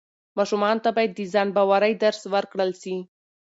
ماشومانو ته باید د ځان باورۍ درس ورکړل سي.